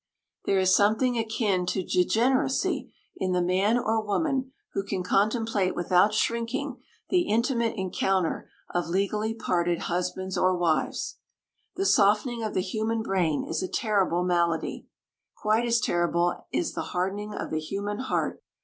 There is something akin to degeneracy in the man or woman who can contemplate without shrinking the intimate encounter of legally parted husbands or wives. The softening of the human brain is a terrible malady. Quite as terrible is the hardening of the human heart.